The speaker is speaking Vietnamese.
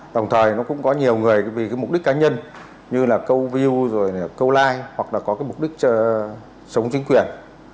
đồng thời nó cũng có nhiều người vì mục đích cá nhân như là câu view câu like hoặc là có mục đích sống chính quyền